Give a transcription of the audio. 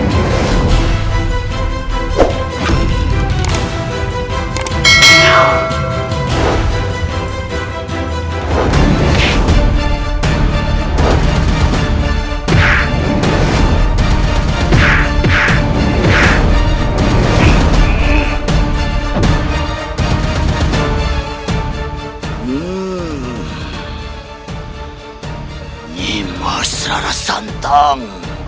sampai kau mati di tanganku